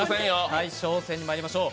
大将戦にまいりましょう。